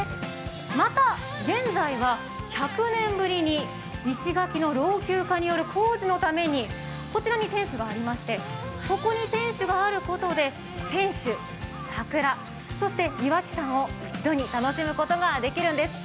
また現在は１００年ぶりに石垣の老朽化による工事のためにこちらに天守がありましてここに天守があることで天守、桜、そして岩木山を一度に楽しむことができるんです。